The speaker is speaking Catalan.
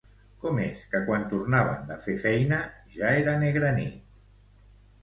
Com és que quan tornaven de fer feina ja era negra nit?